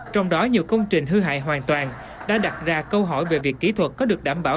trong đó nhiều công trình hư hại hoàn toàn đã đặt ra câu hỏi về việc kỹ thuật có được đảm bảo